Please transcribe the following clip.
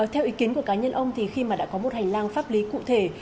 theo ý kiến của cá nhân ông thì khi mà đã có một hành lang pháp lý cụ thể